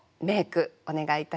お願いいたします。